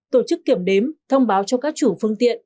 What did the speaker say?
tổ chức kiểm đếm thông báo cho các chủ phương tiện